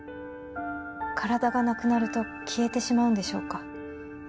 体がなくなると消えてしまうんでしょうか